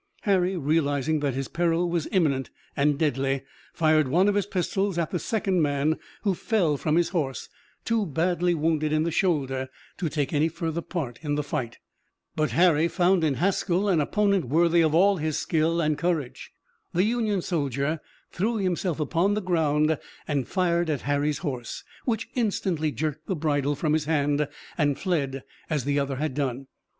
Harry, realizing that his peril was imminent and deadly, fired one of his pistols at the second man, who fell from his horse, too badly wounded in the shoulder to take any further part in the fight. But Harry found in Haskell an opponent worthy of all his skill and courage. The Union soldier threw himself upon the ground and fired at Harry's horse, which instantly jerked the bridle from his hand and fled as the other had done.